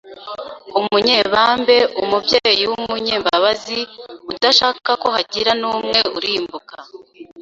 umunyebambe, umubyeyi w’umunyembabazi, udashaka ko hagira n’umwe urimbuka